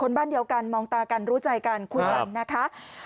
บ้านเดียวกันมองตากันรู้ใจกันคุยกันนะคะ